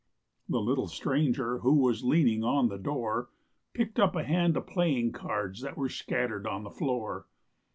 The little stranger who was leaning on the door Picked up a hand of playing cards that were scattered on the floor.